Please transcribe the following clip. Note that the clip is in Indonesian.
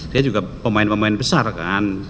dia juga pemain pemain besar kan